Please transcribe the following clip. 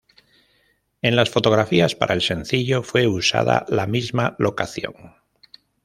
En las fotografías para el sencillo fue usada la misma locación.